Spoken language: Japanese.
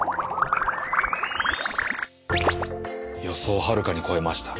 予想をはるかに超えました。